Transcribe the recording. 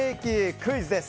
クイズです。